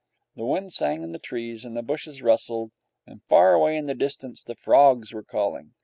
The wind sang in the trees and the bushes rustled, and far away in the distance the frogs were calling.